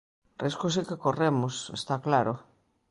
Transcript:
Risco si que corremos, está claro.